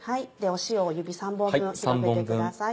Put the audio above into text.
塩を指３本分広げてください。